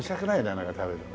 なんか食べるの。